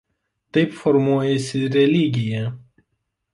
Taip formuojasi religija.